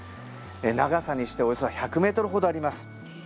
長さにしておよそ１００ｍほどあります。